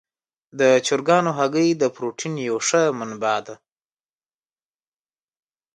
د چرګانو هګۍ د پروټین یوه ښه منبع ده.